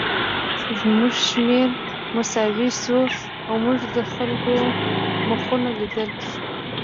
زموږ شمېر مساوي شو او موږ د خلکو مخونه لیدل